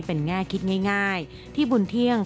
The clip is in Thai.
เป็นแง่คิดง่ายที่บุญเที่ยง